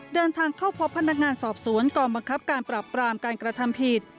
เดินทางเข้าพบพนักงานสอบสวนกองบังคับการปรับปรามการกระทำผิด